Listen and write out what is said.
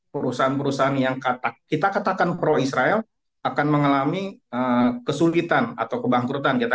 perusahaan perusahaan yang kita katakan pro israel akan mengalami kesulitan atau kebangkrutan kita